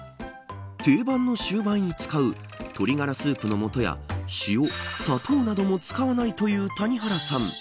定番のシューマイに使う鶏ガラスープのもとや塩、砂糖も使わないという谷原さん。